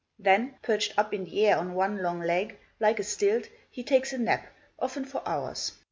Then, perched up in the air on one long leg, like a stilt, he takes a nap, often for hours.